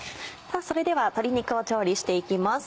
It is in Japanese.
それでは鶏肉を調理していきます。